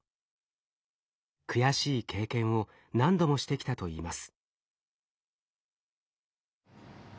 悔しい経験を何度もしてきたといいます。